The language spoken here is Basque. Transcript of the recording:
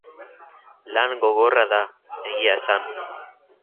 Lan gogorra da, egia esan.